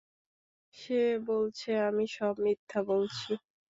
সে বলছে, আমি সব মিথ্যা বলছি।